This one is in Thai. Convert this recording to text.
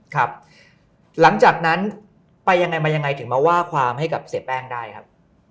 ครับหลังจากนั้นไปยังไงมายังไงถึงมาว่าความให้กับเสียแป้งได้ครับ